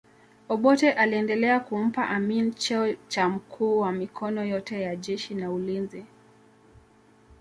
Obote aliendelea kumpa Amin cheo cha mkuu wa mikono yote ya jeshi na ulinzi